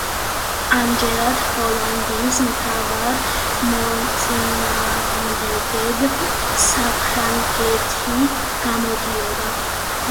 ამჯერად ჰოლანდიის მთავარ მოწინააღმდეგედ საფრანგეთი გამოდიოდა.